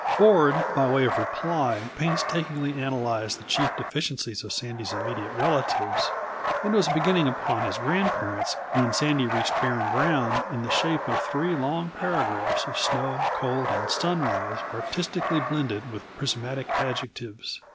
Ford, by way of reply, painstakingly analyzed the chief deficiencies of Sandy's immediate relatives, and was beginning upon his grandparents when Sandy reached barren ground in the shape of three long paragraphs of snow, cold, and sunrise artistically blended with prismatic adjectives.